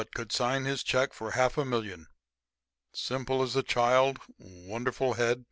could sign his check for half a million ... simple as a child ... wonderful head